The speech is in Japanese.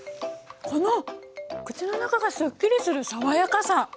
この口の中がスッキリする爽やかさ！